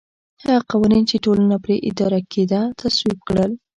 هغه قوانین چې ټولنه پرې اداره کېده تصویب کړل